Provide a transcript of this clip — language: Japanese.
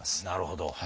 なるほど。